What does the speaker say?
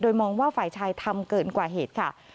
มองว่าฝ่ายชายทำเกินกว่าเหตุค่ะ